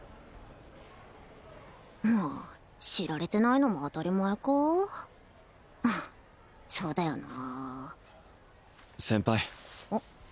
まあ知られてないのも当たり前かうんそうだよなー先輩